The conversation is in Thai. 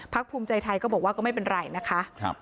ภูมิใจไทยก็บอกว่าก็ไม่เป็นไรนะคะ